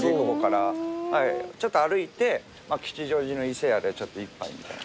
ちょっと歩いて吉祥寺のいせやでちょっと一杯みたいな。